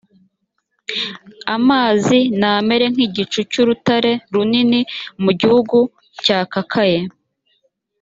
amazi n amere nk igicucu cy urutare runini mu gihugu cyakakaye